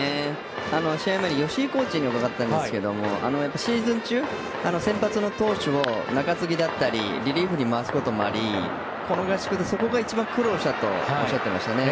試合前に吉井コーチに伺ったんですがシーズン中、先発の投手を中継ぎだったりリリーフに回すこともありこの合宿でそこが一番苦労したとおっしゃっていましたね。